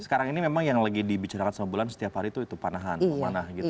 sekarang ini memang yang lagi dibicarakan sama bulan setiap hari itu panahanah gitu